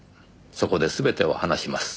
そこで全てを話します。